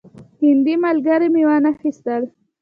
هندي ملګري مې وانه خیستل.